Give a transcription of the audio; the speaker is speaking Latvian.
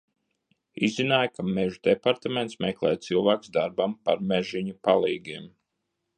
Izzināju, ka Mežu departaments meklē cilvēkus darbam par mežziņa palīgiem.